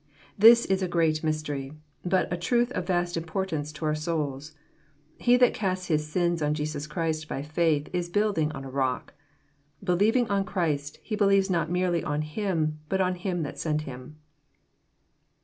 This is a great mystery ; but a truth of vast importance to our souls. He that casts His sins on Jesus Christ by faith is building on a rock. Believing on Christ, he believes not merely on Him, but on EQm that ^nt Him.